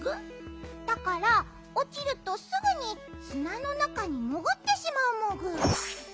だからおちるとすぐにすなのなかにもぐってしまうモグ。